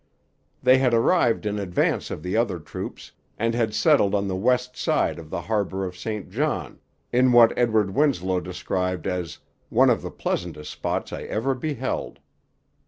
They had arrived in advance of the other troops, and had settled on the west side of the harbour of St John, in what Edward Winslow described as 'one of the pleasantest spots I ever beheld.'